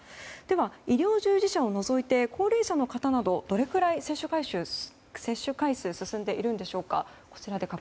医療従事者を除いて高齢者の方などどれくらい接種回数進んでいるのでしょうか。